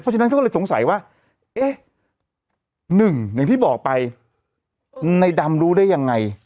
ฉะนั้นเขาก็เลยสงสัยว่าเอ๊ะหนึ่งอย่างที่บอกไปในดำรู้ได้ยังไง